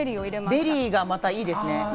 ベリーがまたいいですね。